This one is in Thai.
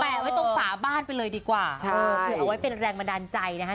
ไว้ตรงฝาบ้านไปเลยดีกว่าเออเผื่อเอาไว้เป็นแรงบันดาลใจนะฮะ